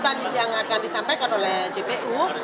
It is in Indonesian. apapun yang patut ditangkap yang akan disampaikan oleh jpu